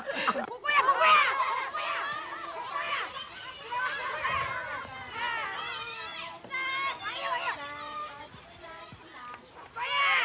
ここや！